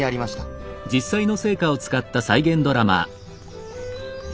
え実際の？